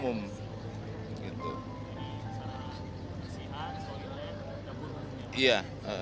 jadi sangat bersihkan toilet dapur maksudnya